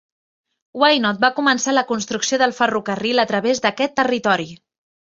Wynot va començar la construcció del ferrocarril a través d'aquest territori.